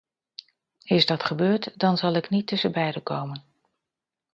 Is dat gebeurd, dan zal ik niet tussenbeide komen.